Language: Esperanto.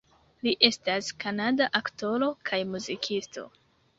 Li estas kanada aktoro kaj muzikisto.